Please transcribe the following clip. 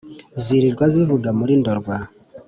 zirirwa zivuga muri ndorwa